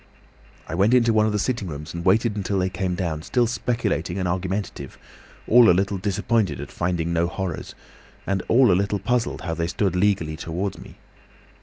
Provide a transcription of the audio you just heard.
"I went into one of the sitting rooms and waited until they came down, still speculating and argumentative, all a little disappointed at finding no 'horrors,' and all a little puzzled how they stood legally towards me.